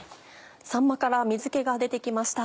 さんまから水気が出て来ました。